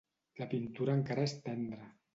La pintura encara és tendra.